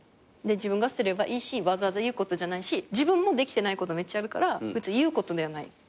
自分が捨てればいいしわざわざ言うことじゃないし自分もできてないことめっちゃあるから言うことではない。